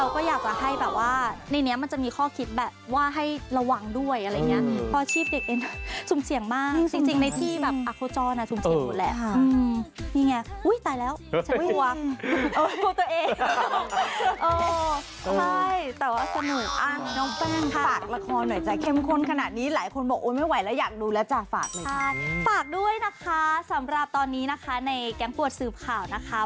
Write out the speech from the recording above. ฝากด้วยนะคะสำหรับตอนนี้นะคะในแก๊งปวดสืบข่าวนะคะ